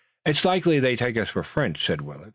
"It's likely they take us for French," said Willet.